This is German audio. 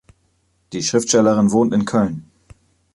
Die Schriftstellerin wohnt in Köln.